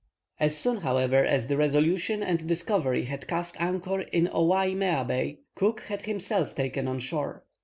As soon, however, as the Resolution and Discovery had cast anchor in Ouai Mea Bay, Cook had himself taken on shore.